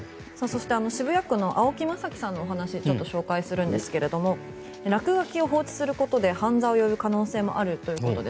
渋谷区の青木正樹さんのお話をちょっと紹介するんですが落書きを放置することで犯罪を呼ぶ可能性もあるということです。